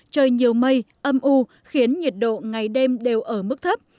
trời nhiều mây âm u khiến nhiệt độ ngày đêm đều ở mức thấp